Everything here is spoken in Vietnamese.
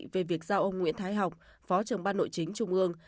về việc giao ông nguyễn thái học phó trưởng ban nội chính trung ương